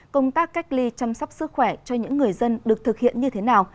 công tác cách ly chăm sóc sức khỏe cho những người dân được thực hiện như thế nào